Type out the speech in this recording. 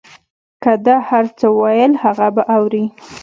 که ده هر څه ویل هغه به اورې.